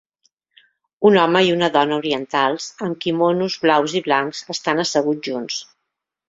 Un home i una dona orientals amb quimonos blaus i blancs estan asseguts junts.